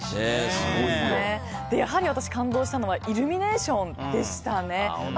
私、やはり感動したのはイルミネーションでしたね。